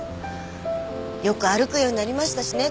よく歩くようになりましたしね。